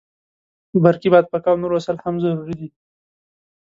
برقي بادپکه او نور وسایل هم ضروري دي.